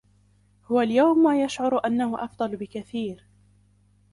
هو اليوم يشعر أنه أفضل بكثير.